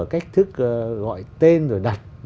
cách thức gọi tên rồi đặt